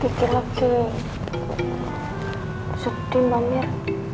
gigi lagi sedih mbak mir